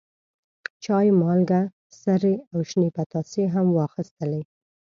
چای، مالګه، سرې او شنې پتاسې هم واخیستلې.